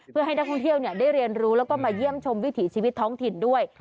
เพื่อให้นักท่องเที่ยวได้เรียนรู้แล้วก็มาเยี่ยมชมวิถีชีวิตท้องถิ่นด้วย